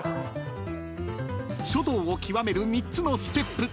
［書道を極める３つのステップ。